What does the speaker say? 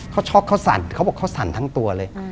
เขาช็อกเขาสั่นเขาบอกเขาสั่นทั้งตัวเลย